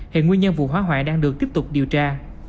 hiện nguyên nhân vụ hóa hoạ đang được tiếp tục điều tra